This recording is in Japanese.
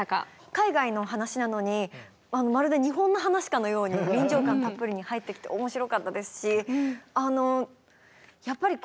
海外の話なのにまるで日本の話かのように臨場感たっぷりに入ってきて面白かったですし。